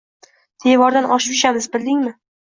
Devordan oshib tushamiz, bildingmi!